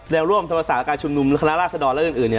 แรงร่วมธรรมศาลการณ์ชุมนุมคณะราชดรและอื่น